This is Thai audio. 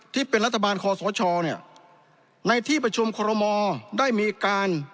ที่เป็นรัฐบาลคอสชเนี่ยในที่ประชุมคอรมอลได้มีการ